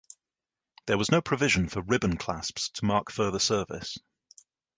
There was no provision for ribbon clasps to mark further service.